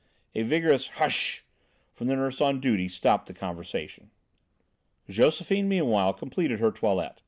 A vigorous "hush" from the nurse on duty stopped the conversation. Josephine meanwhile completed her toilet.